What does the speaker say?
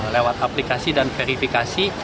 lewat aplikasi dan verifikasi